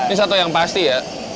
ini satu yang pasti ya